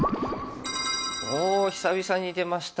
お久々に出ました